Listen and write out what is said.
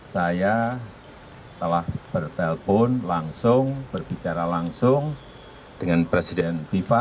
saya telah bertelpon langsung berbicara langsung dengan presiden fifa